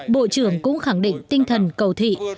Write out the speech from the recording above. bộ trưởng cũng khẳng định tinh thần cầu thị